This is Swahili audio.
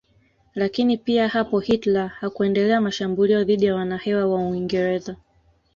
Lakini pia hapo Hitler hakuendelea mashambulio dhidi ya wanahewa wa Uingereza